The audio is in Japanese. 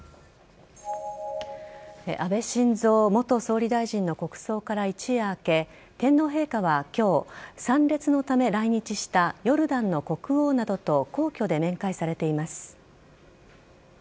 安倍晋三元総理大臣の国葬から一夜明け天皇陛下は今日参列のため来日したヨルダンの国王などと皇居で面会されています。